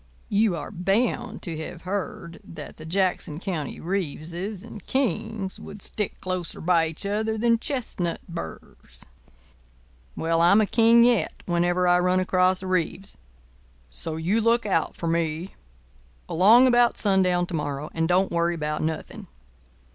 You are bound to have heard the old saying at home, that the Jackson County Reeveses and Kings would stick closer by each other than chestnut burrs. Well, I'm a King yet whenever I run across a Reeves. So you look out for me along about sundown to morrow, and don't worry about nothing.